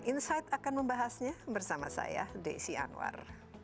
insight akan membahasnya bersama saya desi anwar